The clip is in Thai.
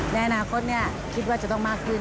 ในอนาคตคิดว่าจะต้องมากขึ้น